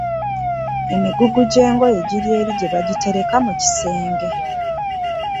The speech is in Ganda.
Emigugu gy’engoye giri eri gye bagitereka mu kisenge.